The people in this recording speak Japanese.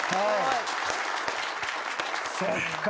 そっか。